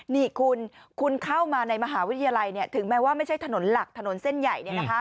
นี่คุณคุณเข้ามาในมหาวิทยาลัยถึงแม้ว่าไม่ใช่ถนนหลักถนนเส้นใหญ่